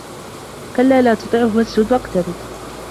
كَلّا لا تُطِعهُ وَاسجُد وَاقتَرِب